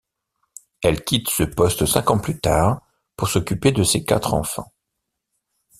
Elle quitte ce poste cinq ans plus tard pour s'occuper de ses quatre enfants.